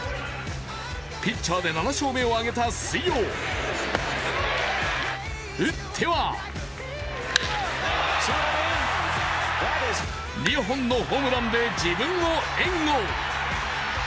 ピッチャーで７勝目を挙げた水曜、打っては２本のホームランで自分を援護。